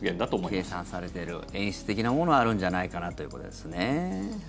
計算されている演出的なものもあるんじゃないかなということですよね。